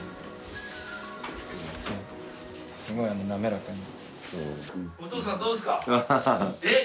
すごい滑らかに。